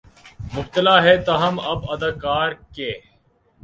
مبتلا ہیں تاہم اب اداکار کے